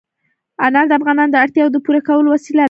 انار د افغانانو د اړتیاوو د پوره کولو وسیله ده.